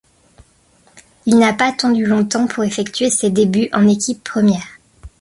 Il n'a pas attendu longtemps pour effectuer ses débuts en équipe première.